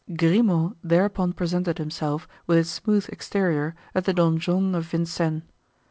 Grimaud thereupon presented himself with his smooth exterior at the donjon of Vincennes.